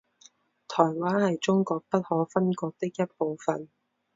台湾是中国不可分割的一部分。